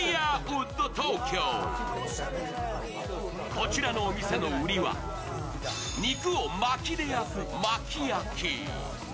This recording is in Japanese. こちらのお店の売りは肉をまきで焼く、まき焼き。